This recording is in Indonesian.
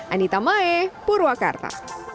anita mae purwakarta